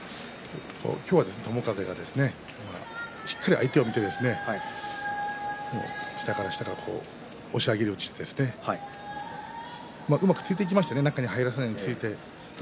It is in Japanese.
今日は友風がしっかり相手を見て下から下から押し上げるようにしてうまく突いていきましたね中に入らせないように。